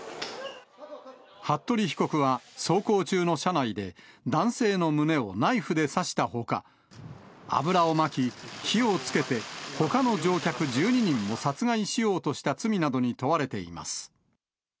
服部被告は走行中の車内で、男性の胸をナイフで刺したほか、油をまき、火をつけて、ほかの乗客１２人を殺害しようとした罪などに問われています。